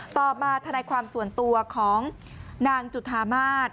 ต่อมาธนายความส่วนตัวของนางจุธามาศ